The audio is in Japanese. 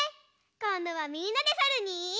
こんどはみんなでさるに。